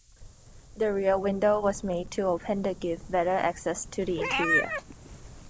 The rear window was made to open to give better access to the interior.